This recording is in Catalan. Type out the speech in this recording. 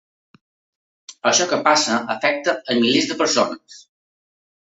Això que passa afecta a milers de persones.